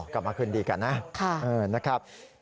อ๋อกลับมาคืนดีกันนะ